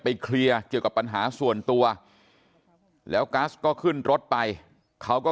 เคลียร์เกี่ยวกับปัญหาส่วนตัวแล้วกัสก็ขึ้นรถไปเขาก็